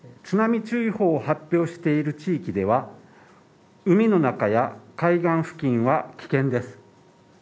津波注意報を発表している地域では、海の中や海岸付近は危険です。